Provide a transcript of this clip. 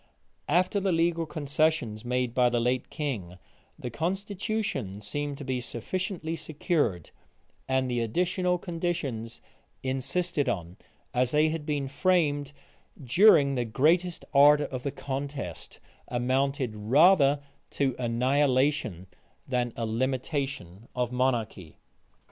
After the legal concessions made by the late king, the constitution seemed to be sufficiently secured; and the additional conditions insisted on, as they had been framed during the greatest ardor of the contest, amounted rather to annihilation than a limitation of monarchy.